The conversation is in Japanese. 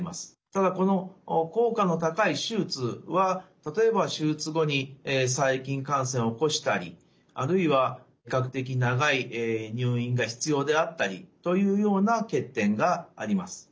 ただこの効果の高い手術は例えば手術後に細菌感染を起こしたりあるいは比較的長い入院が必要であったりというような欠点があります。